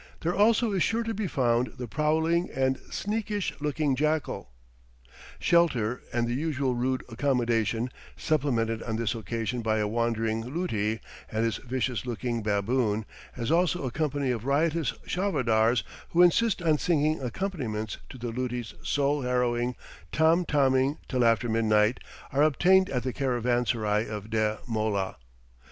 there also is sure to be found the prowling and sneakish looking jackal. Shelter, and the usual rude accommodation, supplemented on this occasion by a wandering luti and his vicious looking baboon, as also a company of riotous charvadars, who insist on singing accompaniments to the luti's soul harrowing tom toming till after midnight, are obtained at the caravansarai of Deh Mollah.